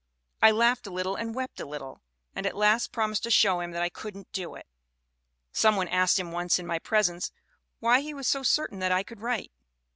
I laughed a little and wept a little, and at last promised to show him that I couldn't do it. "Some one asked him once in my presence why he was so certain that I could write.